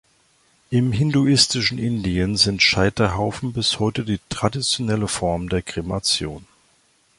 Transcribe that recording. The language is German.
Im hinduistischen Indien sind Scheiterhaufen bis heute die traditionelle Form der Kremation.